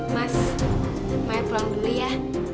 mas maya pulang dulu ya